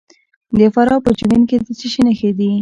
د فراه په جوین کې د څه شي نښې دي؟